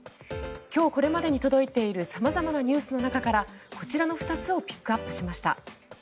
今日これまでに届いている様々なニュースの中からこちらの２つをピックアップしました。